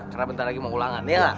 karena bentar lagi mau ulangan ya lah